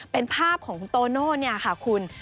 เป็นภาพของคุณโตโน่เนี่ยค่ะคุณ